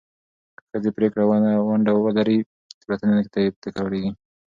که ښځې پرېکړه کې ونډه ولري، تېروتنې نه تکرارېږي.